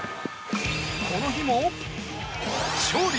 この日も、勝利。